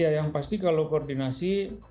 ya yang pasti kalau koordinasi